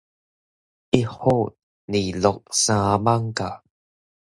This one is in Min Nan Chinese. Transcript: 一府，二鹿，三艋舺